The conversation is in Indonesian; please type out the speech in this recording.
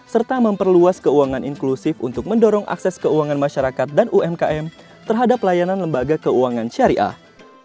serta memperluas keuangan inklusif untuk mendorong akses keuangan masyarakat dan umkm terhadap layanan lembaga keuangan syariah